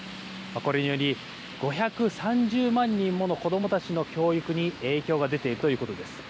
これにより５３０万人もの子どもたちの教育に影響が出ているということです。